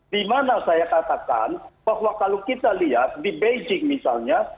dimana saya katakan bahwa kalau kita lihat di beijing misalnya